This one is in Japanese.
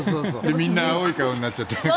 みんな青い顔になって。